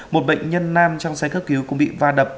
một bệnh nhân nam trong xe cấp cứu cũng bị va đập